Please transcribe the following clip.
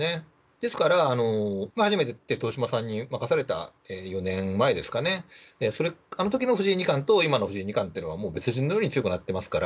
ですから、初めて豊島さんに負かされた４年前ですかね、あのときの藤井二冠と、今の藤井二冠というのは、もう別人のように強くなってますから。